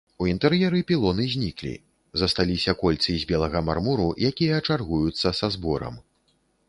У інтэр'еры пілоны зніклі, засталіся кольцы з белага мармуру, якія чаргуюцца са зборам.